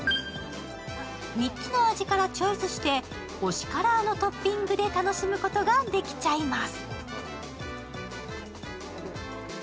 ３つの味からチョイスして、推しカラーのトッピングで楽しむことができちゃいます。